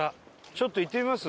ちょっと行ってみます？